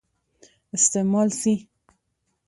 استعمال سي.